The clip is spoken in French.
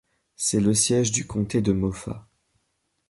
C'est le siège du comté de Moffat.